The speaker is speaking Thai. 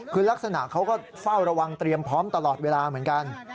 คือลักษณะเขาก็เฝ้าระวังเตรียมพร้อมตลอดเวลาเหมือนกัน